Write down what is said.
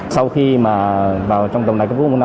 sau khi mà vào trong tổng đài cấp cứu một năm